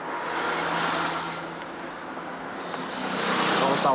岡本さん